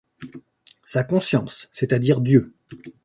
Sa conscience, c’est-à-dire Dieu.